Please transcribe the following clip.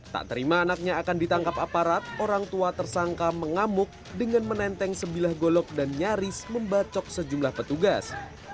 tak terima anaknya akan ditangkap aparat orang tua tersangka mengamuk dengan menenteng sebilah golok dan nyaris membacok sejumlah petugas